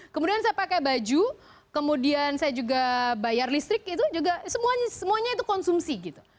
kemudian saya pakai baju kemudian saya juga bayar listrik itu juga semuanya itu konsumsi gitu